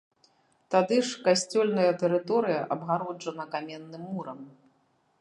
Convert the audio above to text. Тады ж касцёльная тэрыторыя абгароджана каменным мурам.